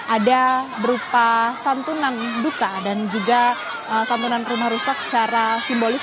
ada berupa santunan duka dan juga santunan rumah rusak secara simbolis